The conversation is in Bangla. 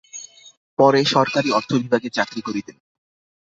পরে সরকারী অর্থবিভাগে চাকরি করিতেন।